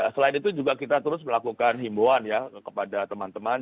selain itu juga kita terus melakukan himbuan ya kepada teman teman